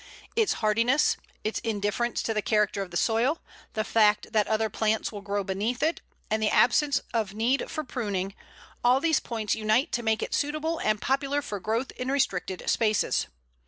Its hardiness, its indifference to the character of the soil, the fact that other plants will grow beneath it, and the absence of need for pruning all these points unite to make it suitable and popular for growth in restricted spaces.